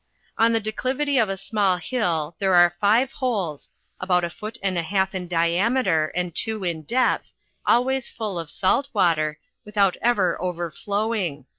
On the declivity of a small hill there are five holes, about a foot and a half in diameter, and two in depth, always full of salt water, without ever overflowing.